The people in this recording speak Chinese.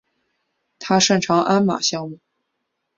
他擅长鞍马项目。